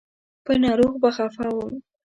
په ناروغ به خفه و.